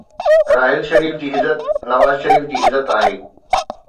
راحيل شريف جي عزت نواز شريف جي عزت آهي.